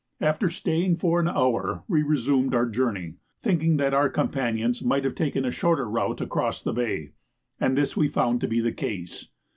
After staying for an hour we resumed our journey, thinking that our companions might have taken a shorter route across the bay; and this we found to be the case.